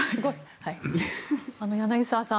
柳澤さん